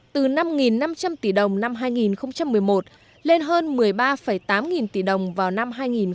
từ năm năm trăm linh tỷ đồng năm hai nghìn một mươi một lên hơn một mươi ba tám nghìn tỷ đồng vào năm hai nghìn một mươi bảy